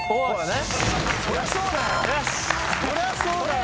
そりゃそうだよ！